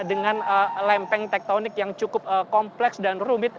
dengan lempeng tektonik yang cukup kompleks dan rumit